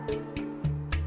supaya beliau lebih khusus